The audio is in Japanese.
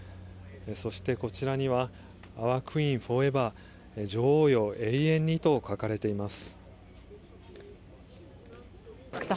そして、こちらにはアワー・クイーン・フォーエバー女王よ永遠にと書かれています。